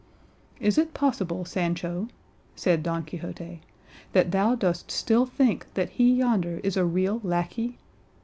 "Is it possible, Sancho," said Don Quixote, "that thou dost still think that he yonder is a real lacquey?